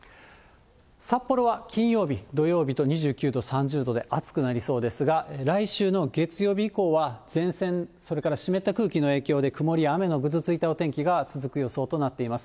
札幌は金曜日、土曜日と２９度、３０度で暑くなりそうですが、来週の月曜日以降は前線、それから湿った空気の影響で、曇りや雨のぐずついたお天気が続く予想となっています。